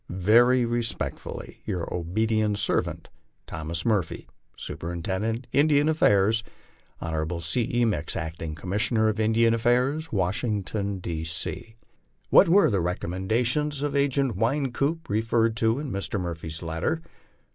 Very respectfully, your obedient servant, (Signed) THOMAS MURPHY, Superintendent Indian Affairs. Hon. C. E. Mix, Acting Commissioner of Indian Affairs, Washington, D. C. What were the recommendations of Agent Wynkoop referred to in Mr. Murphy's letter?